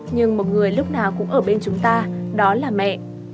nhưng một người lúc nào cũng ở bên chúng ta đó là mẹ